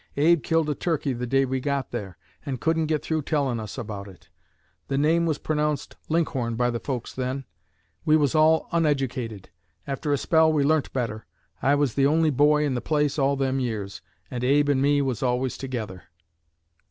Abe killed a turkey the day we got there, and couldn't get through tellin' about it. The name was pronounced Linkhorn by the folks then. We was all uneducated. After a spell we learnt better. I was the only boy in the place all them years, and Abe and me was always together."